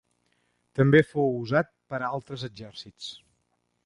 També fou usat per altres exèrcits.